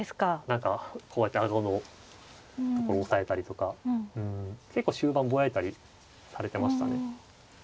何かこうやって顎のところを押さえたりとか結構終盤ぼやいたりされてましたね。